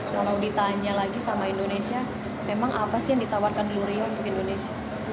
kalau ditanya lagi sama indonesia memang apa sih yang ditawarkan gloria untuk indonesia